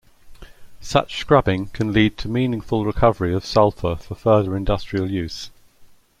Such scrubbing can lead to meaningful recovery of sulfur for further industrial use.